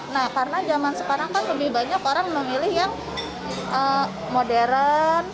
nah karena zaman sekarang kan lebih banyak orang memilih yang modern